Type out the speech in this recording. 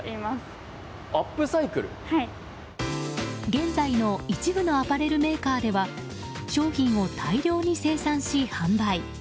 現在の一部のアパレルメーカーでは商品を大量に生産し販売。